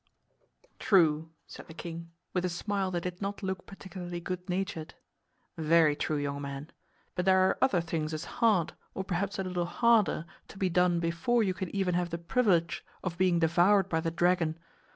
"True," said the king, with a smile that did not look particularly good natured. "Very true, young man. But there are other things as hard, or perhaps a little harder, to be done before you can even have the privilege of being devoured by the dragon.